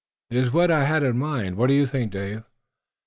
"It was what I had in mind. What do you think, Dave?"